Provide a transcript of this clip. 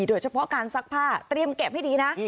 โดยเฉพาะการซักผ้าเตรียมเก็บให้ดีนะ